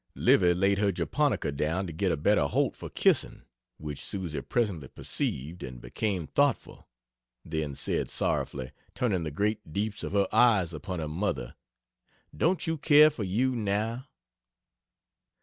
Livy laid her japonica, down to get a better "holt" for kissing which Susie presently perceived, and became thoughtful: then said sorrowfully, turning the great deeps of her eyes upon her mother: "Don't you care for you wow?"